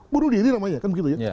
bunuh diri namanya kan begitu ya